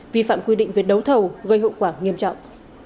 vi phạm quy định về đấu thầu gây hậu quả nghiêm trọng